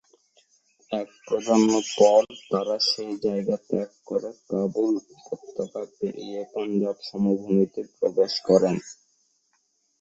এক প্রজন্ম পর তারা সেই জায়গা ত্যাগ করে কাবুল উপত্যকা পেরিয়ে পাঞ্জাব সমভূমিতে প্রবেশ করে।